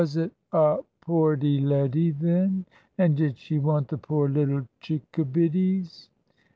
"Was it a poorty leddy, then, and did she want the poor little chickabiddies?"